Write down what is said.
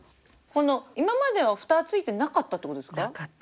今まではフタはついてなかったってことですか？